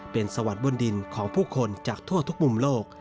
เป็นสวรรค์บนดินของผู้คนจากทั่วทุกมุมโลก